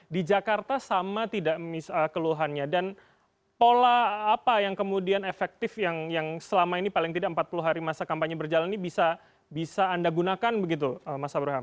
di jakarta sama tidak kluhannya dan pola apa yang kemudian efektif yang selama ini empat puluh hari anda bisa gunakan gitu mas abraham